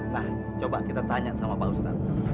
nah coba kita tanya sama pak ustadz